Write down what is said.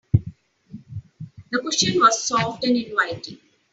The cushion was soft and inviting.